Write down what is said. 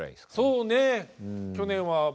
そうね。